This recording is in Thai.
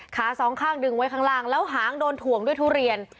สองข้างดึงไว้ข้างล่างแล้วหางโดนถ่วงด้วยทุเรียน